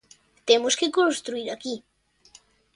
Temos que construír aquí.